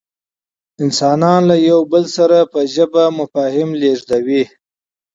انسانان له یو بل سره په ژبه مفاهیم لېږدوي.